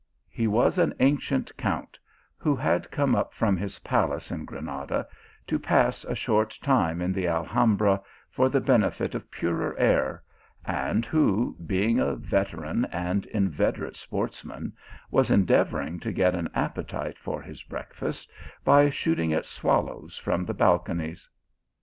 He was an ancient Count, who had come up from his palace in Granada to pass a short time in the Al 384 THE ALHAMBRA hambra for the benefit of purer air, and who, being a veteran and inveterate sportsman, was endeavour ing to get an appetite for his breakfast by shooting at swallows from the balconies.